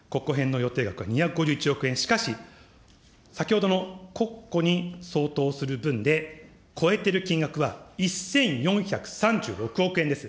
予定額は２５１億円、しかし、先ほどの国庫に相当する分で超えてる金額は１４３６億円です。